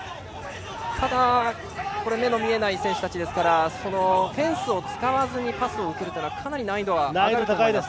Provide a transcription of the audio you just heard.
ただ、目が見えない選手たちですからフェンスを使わずにパスを通すというのはかなり難易度が上がると思います。